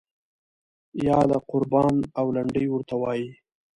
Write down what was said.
یاله قربان او لنډۍ ورته وایي.